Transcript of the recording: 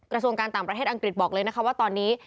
รัฐส่วนการต่างประเทศอังกฤษบอกเลยว่าตอนนี้